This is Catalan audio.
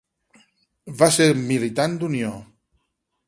Va ser militant d'Unió.